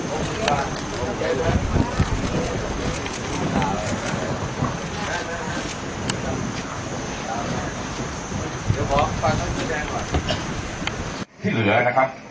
สวัสดีครับ